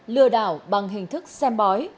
lừa đảo bằng hình thức xem bói